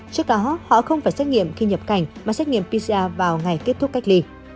trước đó họ không phải xét nghiệm khi nhập cảnh mà xét nghiệm pcr vào ngày kết thúc cách ly